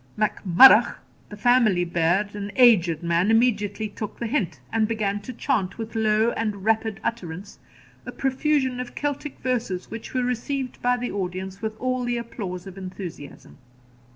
Mac Murrough, the family bhairdh, an aged man, immediately took the hint, and began to chant, with low and rapid utterance, a profusion of Celtic verses, which were received by the audience with all the applause of enthusiasm.